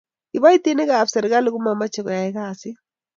Kibaitinik ab serkali komamche koyai kasit